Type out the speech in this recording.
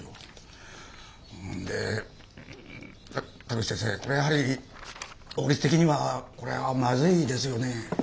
で田口先生これやはり法律的にはこれはまずいですよね。